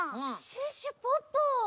シュッシュポッポ。